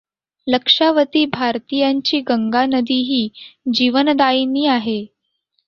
लक्षावधी भारतीयांची गंगा नदी ही जीवनदायिनी आहे.